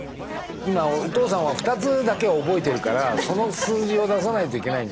今お父さんは２つだけを覚えてるからその数字を出さないといけないんだよ。